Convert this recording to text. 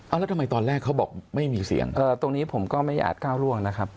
แล้วทำไมตอนแรกเขาบอกไม่มีเสียงตรงนี้ผมก็ไม่อาจก้าวร่วงนะครับ